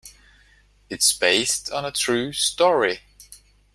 It's based on a true story.